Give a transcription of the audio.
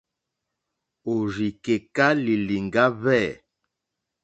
Òrzì kèká lìlìŋɡá hwɛ̂.